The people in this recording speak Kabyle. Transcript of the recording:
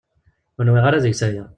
Ur nwiɣ ara deg-s aya.